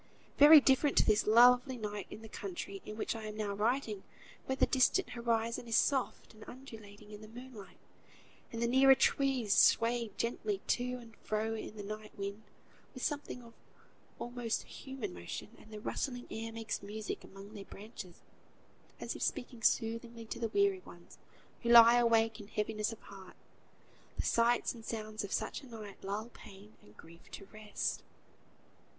Very different to this lovely night in the country in which I am now writing, where the distant horizon is soft and undulating in the moonlight, and the nearer trees sway gently to and fro in the night wind with something of almost human motion; and the rustling air makes music among their branches, as if speaking soothingly to the weary ones who lie awake in heaviness of heart. The sights and sounds of such a night lull pain and grief to rest.